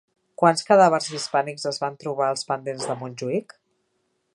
Quants cadàvers hispànics es van trobar als pendents de Montjuïc?